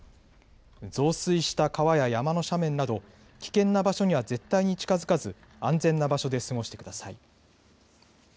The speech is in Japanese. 増水した川や山の斜面など危険な場所には絶対に近づかず安全な場所で過ごしてください。